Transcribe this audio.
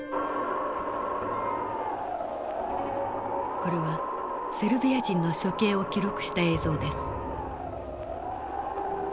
これはセルビア人の処刑を記録した映像です。